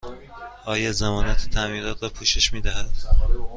آیا ضمانت تعمیرات را پوشش می دهد؟